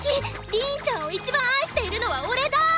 「リーンちゃんを一番愛しているのは俺だーーー！」